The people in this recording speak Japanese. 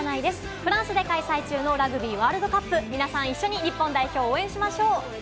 フランスで開催中のラグビーワールドカップ、皆さん一緒に日本代表を応援しましょう！